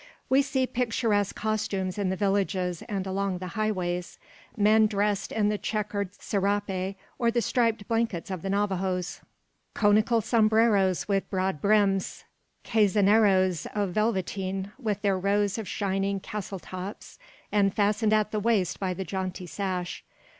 We see picturesque costumes in the villages and along the highways: men dressed in the chequered serape or the striped blankets of the Navajoes; conical sombreros with broad brims; calzoneros of velveteen, with their rows of shining "castletops" and fastened at the waist by the jaunty sash.